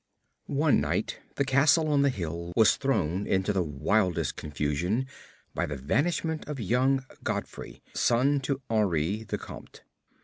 One night the castle on the hill was thrown into the wildest confusion by the vanishment of young Godfrey, son to Henri, the Comte.